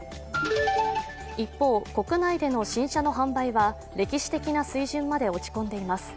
一方、国内での新車の販売は歴史的な水準まで落ち込んでいます。